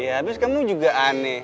ya abis kamu juga aneh